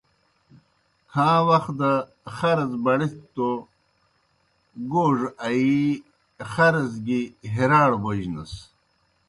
کھاں وخ دہ خرڅ بَڑِتھوْ توْ گوڙ آیِی خرڅ گیْ حرا ئڑ بوجنَس۔